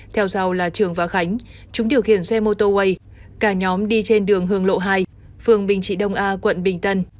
theo sau là trường và khánh chúng điều khiển xe motorway cả nhóm đi trên đường hương lộ hai phương bình trị đông a quận bình tân